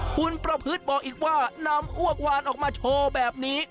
คุณประพฤติบอกอีกว่านำอ้วกวานออกมาโชว์แบบนี้